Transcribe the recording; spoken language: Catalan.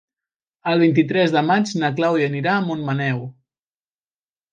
El vint-i-tres de maig na Clàudia anirà a Montmaneu.